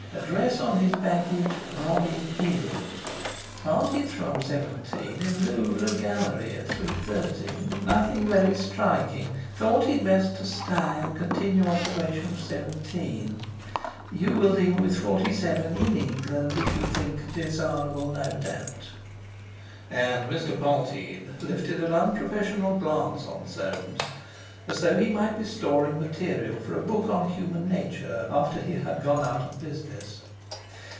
Address on his baggage: Robin Hill. Parted from 17 in Louvre Gallery at 3.30; nothing very striking. Thought it best to stay and continue observation of 17. You will deal with 47 in England if you think desirable, no doubt.'" And Mr. Polteed lifted an unprofessional glance on Soames, as though he might be storing material for a book on human nature after he had gone out of business.